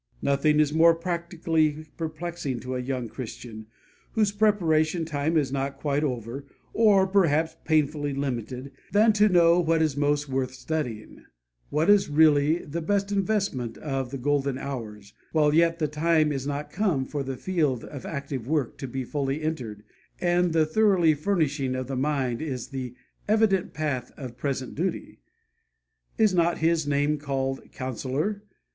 Nothing is more practically perplexing to a young Christian, whose preparation time is not quite over, or perhaps painfully limited, than to know what is most worth studying, what is really the best investment of the golden hours, while yet the time is not come for the field of active work to be fully entered, and the 'thoroughly furnishing' of the mind is the evident path of present duty. Is not His name called 'Counsellor'?